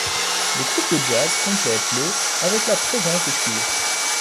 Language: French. Le groupe de jazz complète le avec la présence de cuivres.